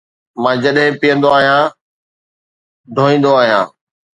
مان جڏهن پيئندو آهيان ڌوئيندو آهيان